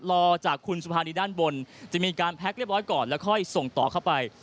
รอจากคุณสุภานีด้านบนจะมีการแพ็คเรียบร้อยก่อนแล้วค่อยส่งต่อเข้าไป